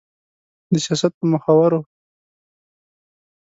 د سياست په مخورو